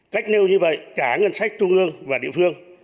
cách nêu như vậy cả ngân sách trung ương và địa phương